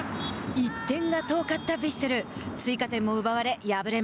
１点が遠かったヴィッセル。